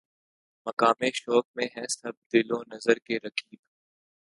مقام شوق میں ہیں سب دل و نظر کے رقیب